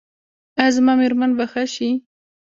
ایا زما میرمن به ښه شي؟